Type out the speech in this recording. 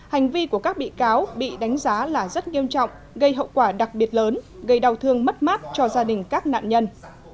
hành vi của các bị cáo bị đánh giá là rất nghiêm trọng gây hậu quả đặc biệt lớn gây đau thương mất mát cho gia đình các nạn nhân